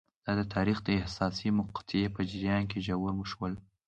دا د تاریخ د حساسې مقطعې په جریان کې ژور شول.